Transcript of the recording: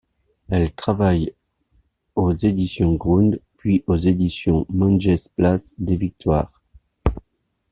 Elle travaille aux éditions Gründ, puis aux éditions Mengès-Place des Victoires.